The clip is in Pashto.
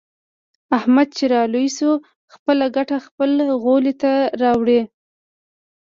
احمد چې را لوی شو. خپله ګټه خپل غولي ته راوړي.